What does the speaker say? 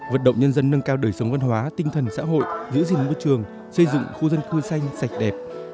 vận động nhân dân nâng cao đời sống văn hóa tinh thần xã hội giữ gìn môi trường xây dựng khu dân cư xanh sạch đẹp